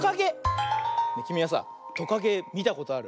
きみはさトカゲみたことある？